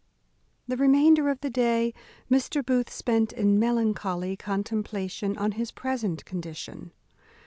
_ The remainder of the day Mr. Booth spent in melancholy contemplation on his present condition.